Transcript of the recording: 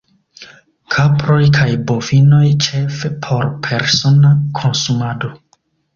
Kaproj kaj bovinoj ĉefe por persona konsumado.